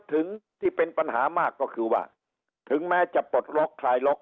ถึงที่เป็นปัญหามากก็คือว่าถึงแม้จะปลดล็อกคลายล็อก